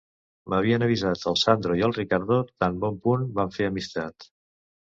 M’havien avisat el Sandro i el Riccardo tan bon punt vam fer amistat.